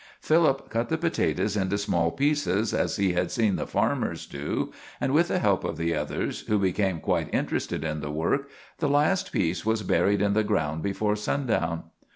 Philip cut the potatoes into small pieces, as he had seen the farmers do, and with the help of the others, who became quite interested in the work, the last piece was buried in the ground before sundown.